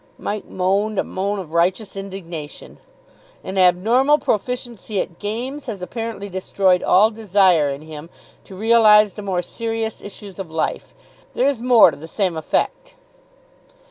'" Mike moaned a moan of righteous indignation. "'An abnormal proficiency at games has apparently destroyed all desire in him to realise the more serious issues of life.' There is more to the same effect."